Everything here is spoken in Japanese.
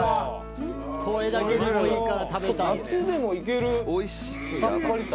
これだけでもいいから食べたい。